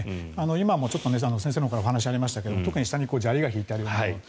今も先生のほうからお話がありましたが下に砂利が敷いてあるようなもの。